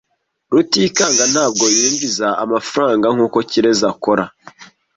Rutikanga ntabwo yinjiza amafaranga nkuko Kirezi akora.